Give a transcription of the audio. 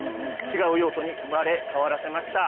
違う用途に生まれ変わらせました。